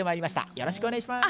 よろしくお願いします。